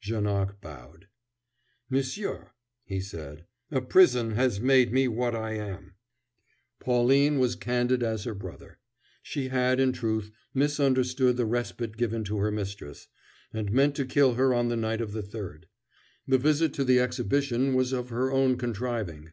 Janoc bowed. "Monsieur," he said, "a prison has made me what I am." Pauline was candid as her brother. She had, in truth, misunderstood the respite given to her mistress, and meant to kill her on the night of the 3d. The visit to the Exhibition was of her own contriving.